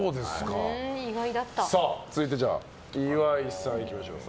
続いて、岩井さんいきましょう。